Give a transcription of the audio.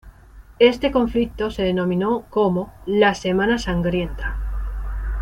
Este conflicto se denominó como ""La Semana Sangrienta"".